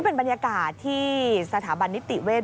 เป็นบรรยากาศที่สถาบันนิติเวช